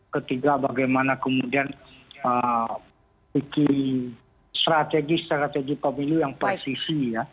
ketiga bagaimana kemudian pikir strategis strategi pemilu yang posisi ya